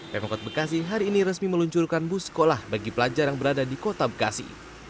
pemkot bekasi hari ini resmi meluncurkan bus sekolah bagi pelajar yang berada di kota bekasi